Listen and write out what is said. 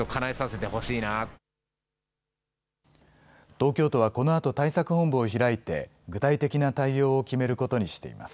東京都はこのあと対策本部会議を開いて、具体的な対応を決めることにしています。